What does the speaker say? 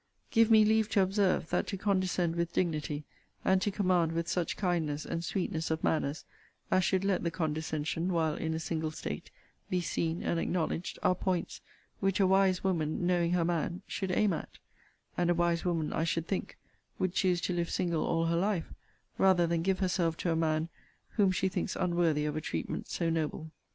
Give me leave to observe, that to condescend with dignity, and to command with such kindness, and sweetness of manners, as should let the condescension, while in a single state, be seen and acknowledged, are points, which a wise woman, knowing her man, should aim at: and a wise woman, I should think, would choose to live single all her life rather than give herself to a man whom she thinks unworthy of a treatment so noble.